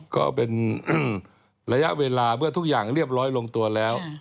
ก็เป็นระยะเวลาเมื่อทุกอย่างเรียบร้อยลงตัวแล้ว